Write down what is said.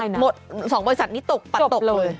อาจจะหมดสองบริษัทนี่ตุ็กประตุฝ์เลย